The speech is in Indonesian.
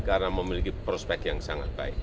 karena memiliki prospek yang sangat baik